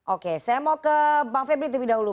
oke saya mau ke bang febri terlebih dahulu